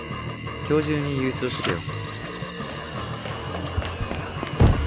今日中に郵送しとけよ。